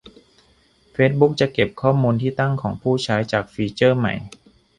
เฟซบุ๊กจะเก็บข้อมูลที่ตั้งของผู้ใช้ จากฟีเจอร์ใหม่